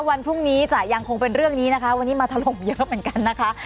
วันพรุ่งนี้จะยังคงเป็นเรื่องนี้นะคะวันนี้มาถล่มเยอะเหมือนกันนะคะ